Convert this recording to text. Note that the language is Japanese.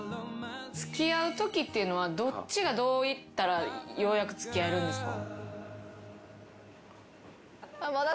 付き合うときっていうのはどっちがどういったらようやく付き合えるんですか？